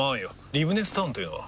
リブネスタウンというのは？